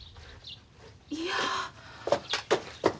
いや。